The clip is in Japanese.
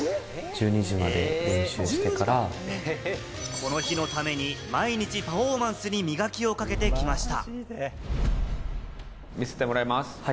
この日のために毎日パフォーマンスに磨きをかけてきました。